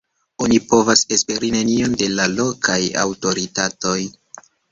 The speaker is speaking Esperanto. Oni povas esperi nenion de la lokaj aŭtoritatoj.